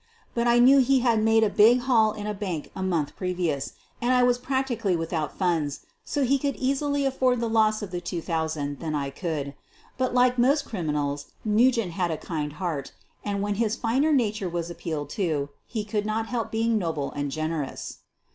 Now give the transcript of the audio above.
But I knew he had made a big haul in a bank a month previous, and I was prac tically without funds, so he could more easily afford the loss of the two thousand than I could. But, like most criminals, Nugent had a kind heart, and, when his finer nature was appealed to, he could not help being noble and generous.